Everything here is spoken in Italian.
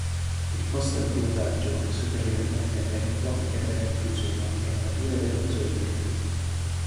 Il posto di pilotaggio, superiormente aperto, era racchiuso in una carenatura della fusoliera.